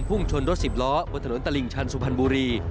ชนรถสิบล้อบนถนนตลิ่งชันสุพรรณบุรี